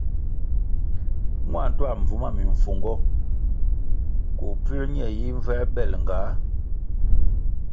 Mua ntuā mbvu ma mimfungo koh puē ñe yi mvuēbel ngah?